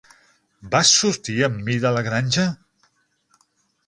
Vas sortir amb mi de La granja?